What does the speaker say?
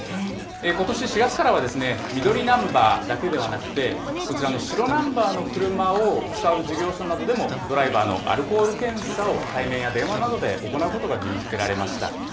ことし４月からは、緑ナンバーだけではなくて、こちらの白ナンバーの車を使う事業所などでもドライバーのアルコール検査を対面や電話などで行うことが義務づけられました。